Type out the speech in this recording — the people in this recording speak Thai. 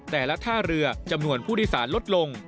แต่ละท่าเรือจำนวนผู้โดยสารลดลง